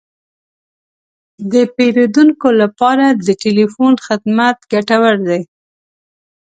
د پیرودونکو لپاره د تلیفون خدمت ګټور دی.